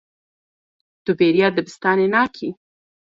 Tu bêriya dibistanê nakî.